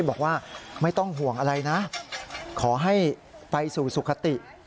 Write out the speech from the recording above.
บอกว่าไม่ต้องห่วงอะไรนะขอให้ไปสู่สุขติ